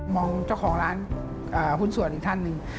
เจ้าของร้านหุ้นส่วนอีกท่านหนึ่ง